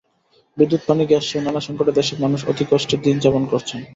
বিদ্যুৎ, পানি, গ্যাসসহ নানা সংকটে দেশের মানুষ অতিকষ্টে দিন যাপন করছেন।